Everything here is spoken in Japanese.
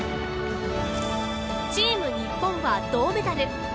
チーム日本は銅メダル。